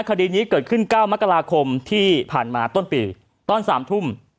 คดีนี้เกิดขึ้น๙มกราคมที่ผ่านมาต้นปีตอน๓ทุ่ม